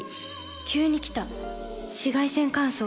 急に来た紫外線乾燥。